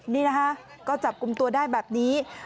นี่นะคะก็จับกลุ่มตัวได้แบบนี้